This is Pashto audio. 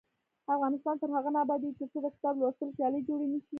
افغانستان تر هغو نه ابادیږي، ترڅو د کتاب لوستلو سیالۍ جوړې نشي.